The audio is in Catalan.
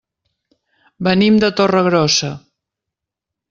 Venim de Torregrossa.